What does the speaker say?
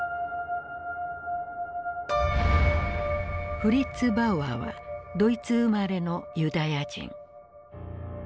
フリッツ・バウアーはドイツ生まれのユダヤ人。